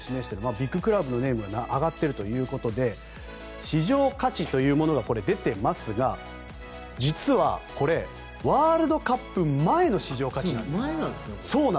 ビッグクラブの名前が挙がっているということで市場価値というものが出ていますが実はこれ、ワールドカップ前の市場価値なんです。